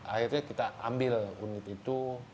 akhirnya kita ambil unit itu